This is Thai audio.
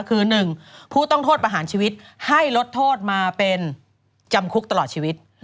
คือ๑ผู้ต้องโทษประหารชีวิตให้ลดโทษมาเป็นจำคุกตลอดชีวิต